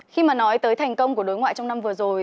khi mà nói tới thành công của đối ngoại trong năm vừa rồi